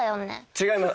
違います。